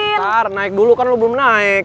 ntar naik dulu kan lo belum naik